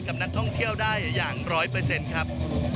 กับนักท่องเที่ยวได้อย่าง๑๐๐ครับ